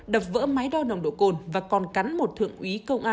đập vỡ máy đo nồng độ cồn và còn cắn một thượng úy công an